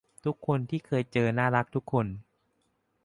ทุกคนที่เคยเจอน่ารักทุกคน